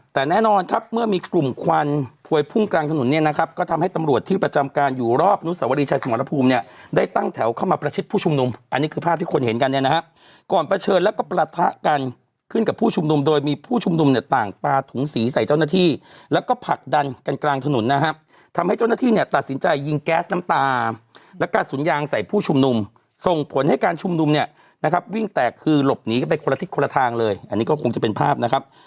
แต่แน่นอนครับเมื่อมีกลุ่มควันพวยพุ่งกลางถนนเนี่ยนะครับก็ทำให้ตำรวจที่ประจำการอยู่รอบนุสวรีชายสมรภูมิเนี่ยได้ตั้งแถวเข้ามาประชิดผู้ชุมนุมอันนี้คือภาพที่ควรเห็นกันเนี่ยนะครับก่อนเผชิญแล้วก็ประทะกันขึ้นกับผู้ชุมนุมโดยมีผู้ชุมนุมเนี่ยต่างปลาถุงสีใส่เจ้าหน้าที่แล้วก็ผลั